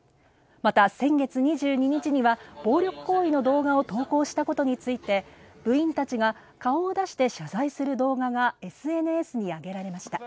また、先月２２日には暴力行為の動画を投稿したことについて部員たちが顔を出して謝罪する動画がＳＮＳにあげられました。